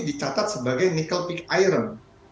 dicatat sebagai nikel pick iron